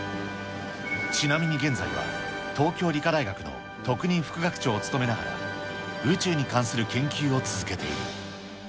ちなみに現在は、東京理科大学の特任副学長を務めながら、宇宙に関する研究を続けている。